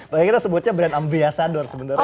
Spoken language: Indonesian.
paling kita sebutnya brand ambiasador sebenarnya